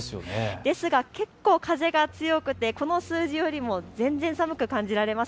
ですが結構、風が強くてこの数字よりも全然、寒く感じられます。